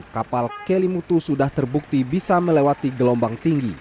kapal kelimutu sudah terbukti bisa melewati gelombang tinggi